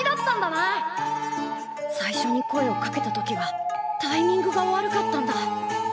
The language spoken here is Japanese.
最初に声をかけた時はタイミングが悪かったんだ。